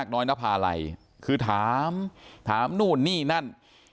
น้อยน่าพาลัยคือถามนู่นนี่นั่น